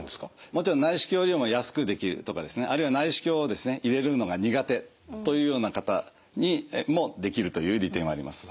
もちろん内視鏡よりも安くできるとかですねあるいは内視鏡を入れるのが苦手というような方にもできるという利点はあります。